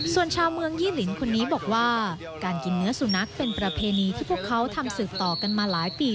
ส่วนชาวเมืองยี่หลินคนนี้บอกว่าการกินเนื้อสุนัขเป็นประเพณีที่พวกเขาทำสืบต่อกันมาหลายปี